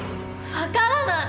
分からない！